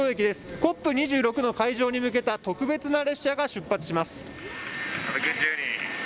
ＣＯＰ２６の会場に向けた特別な列車が出発します。